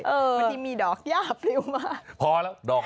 บางทีมีดอกย่าเร็วมาก